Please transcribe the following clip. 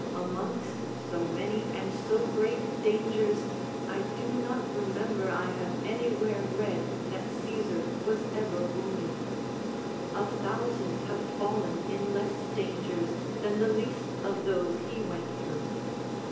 Amongst so many and so great dangers I do not remember I have anywhere read that Caesar was ever wounded; a thousand have fallen in less dangers than the least of those he went through.